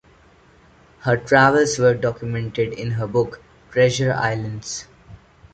Her travels were documented in her book "Treasure Islands".